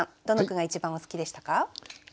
どの句が一番お好きでしたか？